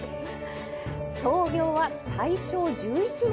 創業は大正１１年。